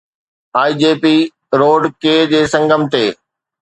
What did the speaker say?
IJP روڊ K جي سنگم تي